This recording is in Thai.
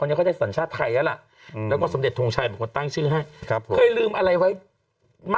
ไม่ใช่บางทีคุยแล้วก็วางแล้วก็หยิบของแล้วก็บางทีก็ลืมอะไรอย่างนั้น